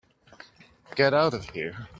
Get out of here.